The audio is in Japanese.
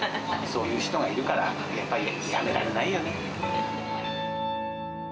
そういう人がいるから、やっぱりやめられないよね。